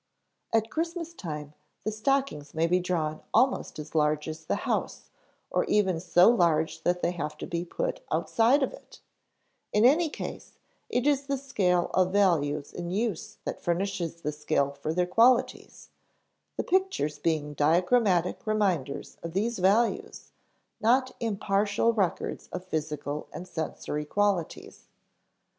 At Christmas time, the stockings may be drawn almost as large as the house or even so large that they have to be put outside of it: in any case, it is the scale of values in use that furnishes the scale for their qualities, the pictures being diagrammatic reminders of these values, not impartial records of physical and sensory qualities.